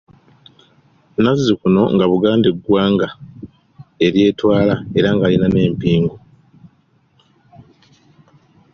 Nnazikuno nga Buganda ggwanga eryetwala era nga lirina n’empingu.